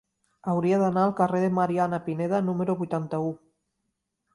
Hauria d'anar al carrer de Mariana Pineda número vuitanta-u.